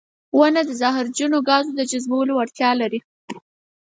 • ونه د زهرجنو ګازونو جذبولو وړتیا لري.